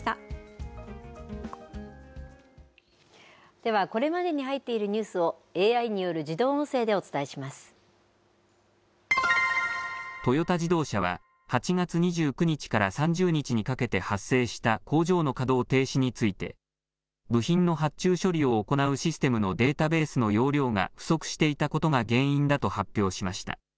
では、これまでに入っているニュースをＡＩによる自動音声でお伝えしまトヨタ自動車は、８月２９日から３０日にかけて発生した工場の稼働停止について、部品の発注処理を行うシステムのデータベースの容量が不足していたことが原因だと発表しました。